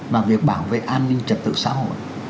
và việc bảo vệ an ninh trật tự xã hội